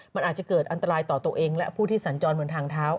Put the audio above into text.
มันอาจจะเกิดอันตรายต่อตัวเองและผู้ที่สัญจรบนทางเท้า